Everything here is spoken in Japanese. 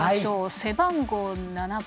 背番号７番。